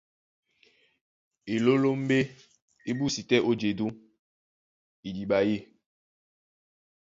Elólómbé é búsi tɛ́ ó jedú idiɓa yî.